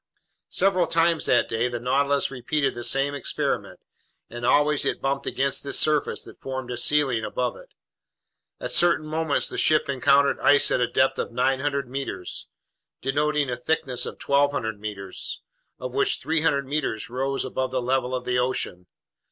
Several times that day, the Nautilus repeated the same experiment and always it bumped against this surface that formed a ceiling above it. At certain moments the ship encountered ice at a depth of 900 meters, denoting a thickness of 1,200 meters, of which 300 meters rose above the level of the ocean.